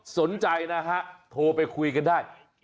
สนใจนะฮะโทรไปคุยกันได้